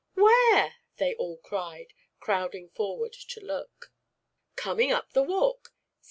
"Where?" they all cried, crowding forward to look. "Coming up the walk.